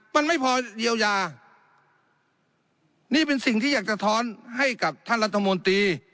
มันไม่พอเยียวยานี่เป็นสิ่งที่อยากจะท้อนให้กับท่านรัฐมนตรี